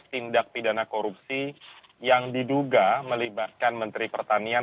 tindak pidana korupsi yang diduga melibatkan menteri pertanian